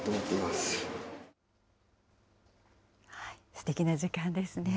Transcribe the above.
すてきな時間ですね。